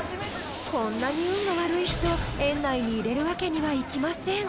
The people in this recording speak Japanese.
［こんなに運が悪い人園内に入れるわけにはいきません］